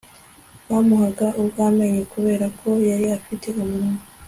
bamuhaga urwamenyo kubera ko yarafite umunwa